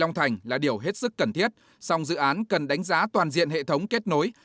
trong thành là điều hết sức cần thiết song dự án cần đánh giá toàn diện hệ thống kết nối